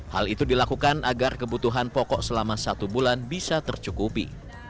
hal itu dilakukan agar kebutuhan pokok selama satu bulan bisa tercukupi